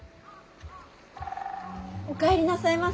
お帰りなさいませ。